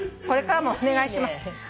これからもお願いしますね」